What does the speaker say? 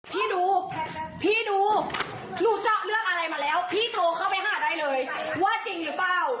พี่ดูพี่ดูหนูเจาะเรื่องอะไรมาแล้วพี่โทรเข้าไปหาได้เลยว่าจริงหรือเปล่า